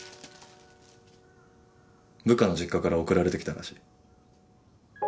部下の実家から送られてきたらしい。